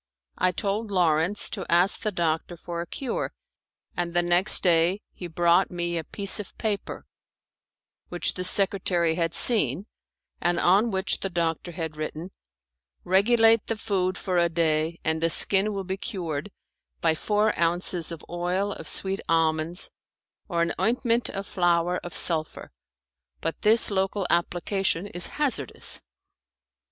I told Lawrence to ask the doctor for a cure, and the next day he brought me a piece of paper which the secretary had seen, and on which the doctor had written, "Regulate the food for a day, and the skin will be cured by four ounces of oil of sweet almonds or an ointment of flour of sulphur, but this local application is hazardous."